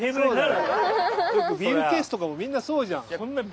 ・よくビールケースとかもみんなそうじゃん。